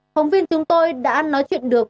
phóng viên chúng tôi đã nói chuyện được